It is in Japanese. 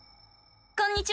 こんにちは！